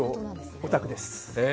一応、オタクです。